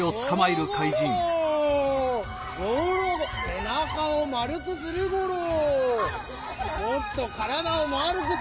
せなかをまるくするゴロ。